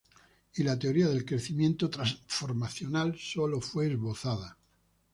Y la teoría del crecimiento transformacional sólo fue esbozada.